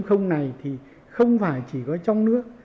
và thời đại bốn này thì không phải chỉ có trong nước